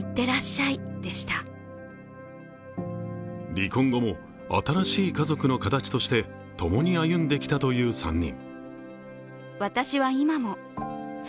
離婚後も新しい家族の形としてともに歩んできたという３人。